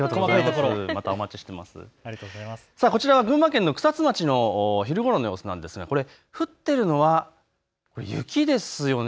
こちら群馬県の草津町のお昼ごろの様子なんですがこれ降ってるのは、雪ですよね。